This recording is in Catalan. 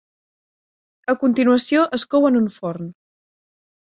A continuació es cou en un forn.